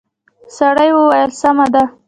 سړي وويل سمه ده.